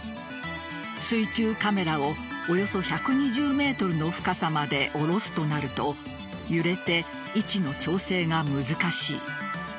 水中カメラをおよそ１２０ｍの深さまで下ろすとなると揺れて、位置の調整が難しい。